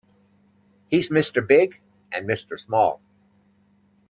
He's Mr. Big and Mr. Small.